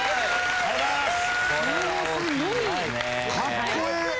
ありがとうございます。